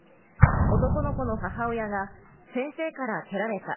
男の子の母親が先生から蹴られた。